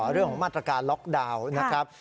เรื่องของมาตรการล็อกดาวน์นะครับ